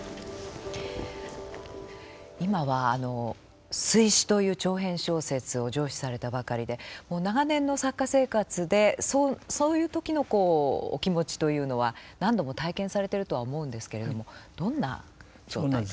今は「水死」という長編小説を上梓されたばかりで長年の作家生活でそういうときのお気持ちというのは何度も体験されてるとは思うんですけれどもどんな状態？